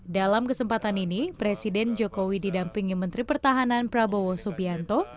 dalam kesempatan ini presiden jokowi didampingi menteri pertahanan prabowo subianto